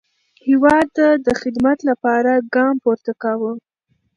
هیواد ته د خدمت لپاره ګام پورته کاوه.